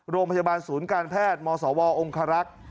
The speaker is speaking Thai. โรงพยาบาลศูนย์การแพทย์มศวองคารักษ์